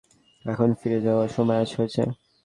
এখন ফিরে যাওয়ার সময় হয়েছে।